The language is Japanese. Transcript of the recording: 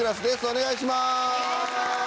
お願いします。